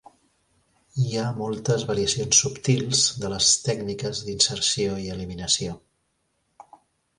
Hi ha moltes variacions subtils de les tècniques d'inserció i eliminació.